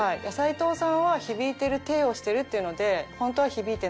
齊藤さんは響いてるテイをしてるっていうので。